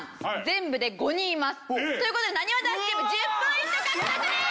全部で５人います。という事でなにわ男子チーム１０ポイント獲得です。